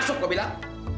masuk gua bilang